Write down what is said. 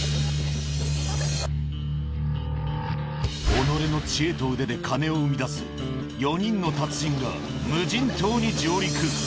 おのれの知恵と腕で金を生み出す４人の達人が、無人島に上陸。